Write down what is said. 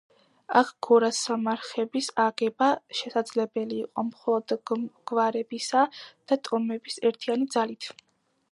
ამ გორასამარხების აგება შესაძლებელი იყო მხოლოდ გვარებისა და ტომების ერთიანი ძალით.